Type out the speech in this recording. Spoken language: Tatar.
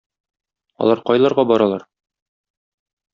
Алар кайларга баралар